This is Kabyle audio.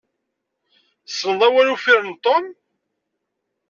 Tessneḍ awal uffir n Tom?